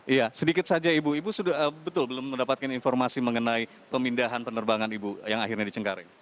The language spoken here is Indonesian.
iya sedikit saja ibu ibu sudah betul belum mendapatkan informasi mengenai pemindahan penerbangan ibu yang akhirnya di cengkareng